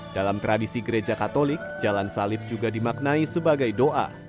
dalam tradisi gereja katolik jalan salib juga dimaknai sebagai doa